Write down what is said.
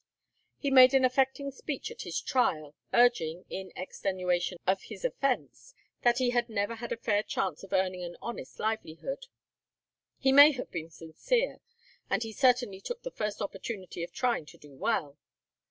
He made an affecting speech at his trial, urging, in extenuation of his offence, that he had never had a fair chance of earning an honest livelihood. He may have been sincere, and he certainly took the first opportunity of trying to do well.